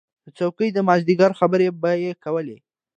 د څوکۍ د مازدیګري خبرې به یې کولې.